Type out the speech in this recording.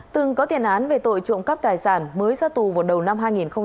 từng có tiền án về tội trộm cắp tài sản mới ra tù vào đầu năm hai nghìn một mươi ba